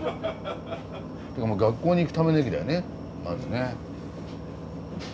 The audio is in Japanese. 学校に行くための駅だよねまずね。